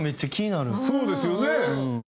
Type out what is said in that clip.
そうですよね。